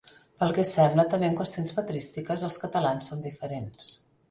Pel que sembla també en qüestions patrístiques els catalans som diferents.